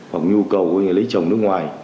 hoặc nhu cầu của người lấy chồng nước ngoài